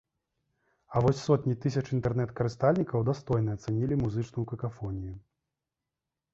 А вось сотні тысяч інтэрнэт-карыстальнікаў дастойна ацанілі музычную какафонію.